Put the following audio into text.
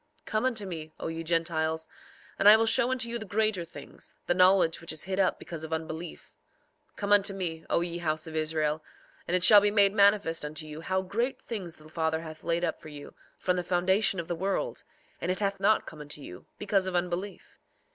4:13 Come unto me, O ye Gentiles, and I will show unto you the greater things, the knowledge which is hid up because of unbelief. 4:14 Come unto me, O ye house of Israel, and it shall be made manifest unto you how great things the Father hath laid up for you, from the foundation of the world; and it hath not come unto you, because of unbelief.